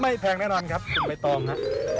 ไม่แพงแน่นอนครับคุณใบต่องนะครับ